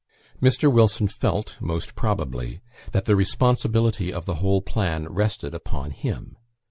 Mr. Wilson felt, most probably, that the responsibility of the whole plan rested upon him.